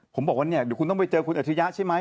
ผมบอกว่าเนี่ยเดี๋ยวคุณต้องไปเจอคุณอัจฉริยะใช่ไหม